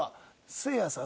せいやさん。